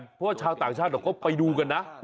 เพราะว่าชาวต่างชาติก็ไปดูกันนะ